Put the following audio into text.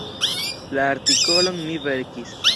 La artikolon mi verkis.